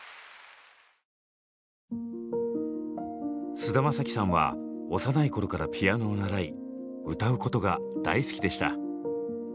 菅田将暉さんは幼い頃からピアノを習い歌うことが大好きでした。